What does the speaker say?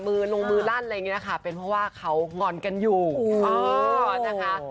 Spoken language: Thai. มือลงมือลั่นอะไรอย่างนี้นะคะเป็นเพราะว่าเขางอนกันอยู่เออนะคะ